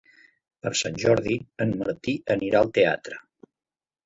Per Sant Jordi en Martí anirà al teatre.